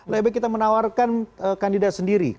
lebih baik kita menawarkan kandidat sendiri